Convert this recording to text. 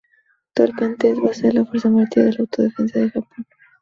Actualmente es base de la Fuerza Marítima de Autodefensa de Japón.